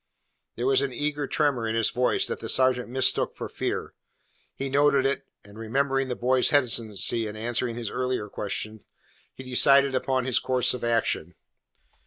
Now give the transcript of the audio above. There was an eager tremor in his voice that the sergeant mistook for fear. He noted it, and remembering the boy's hesitancy in answering his earlier questions, he decided upon his course of action.